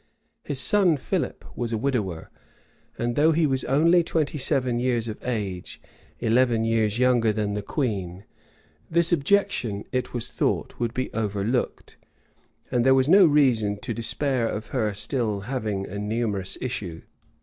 His son Philip was a widower; and though he was only twenty seven years of age, eleven years younger than the queen, this objection, it was thought, would be overlooked, and there was no reason to despair of her still having a numerous issue.